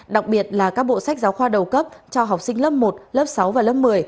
đặc biệt là các bộ sách giáo khoa đầu cấp cho học sinh lớp một lớp sáu và lớp một mươi